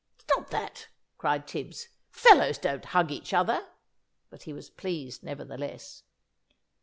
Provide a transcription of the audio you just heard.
"Stop that!" cried Tibbs. "Fellows don't hug each other," but he was pleased nevertheless.